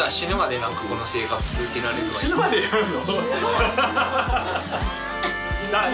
死ぬまでやんの？